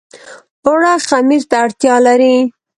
اوړه خمیر ته اړتيا لري